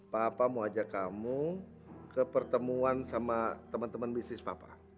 papa mau ajak kamu ke pertemuan sama teman teman bisnis papa